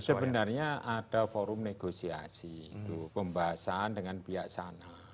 sebenarnya ada forum negosiasi itu pembahasan dengan pihak sana